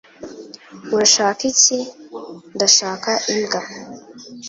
"Urashaka iki?" "Ndashaka imbwa."